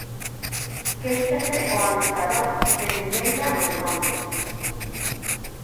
Quéixase o adestrador de Mireia Belmonte.